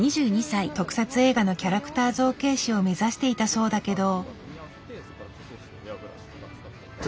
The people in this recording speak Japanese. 特撮映画のキャラクター造形師を目指していたそうだけど。